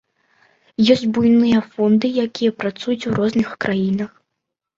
Ёсць буйныя фонды, якія працуюць у розных краінах.